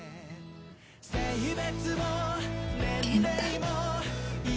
健太。